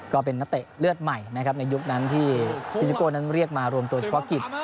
ก็เป็นนักเตะเลือดใหม่นะครับในยุคนั้นที่พิซิโก้นั้นเรียกมารวมตัวเฉพาะกิจ